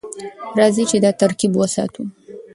راځئ چې دا ترکیب وساتو.